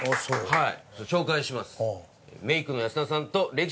はい。